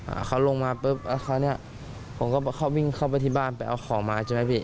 อ่าเขาลงมาปุ๊บก็เข้านี้มันก็บอกวี้งไปที่บ้านเอาของมาใช่ไหมพี่